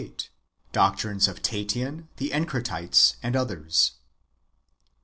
— Doctrines of Tatian, the Encratites, and others. 1.